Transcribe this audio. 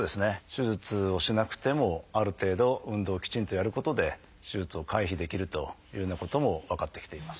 手術をしなくてもある程度運動をきちんとやることで手術を回避できるというようなことも分かってきています。